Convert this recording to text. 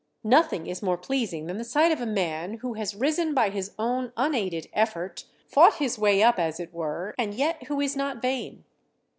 Nothing is more pleasing than the sight of a man who has risen by his own unaided effort, fought his way up, as it were, and yet who is not vain.